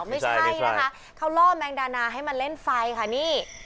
ไม่ใช่นะคะเขาล่อแมงดานาให้มาเล่นไฟค่ะนี่